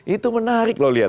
itu menarik loh lihat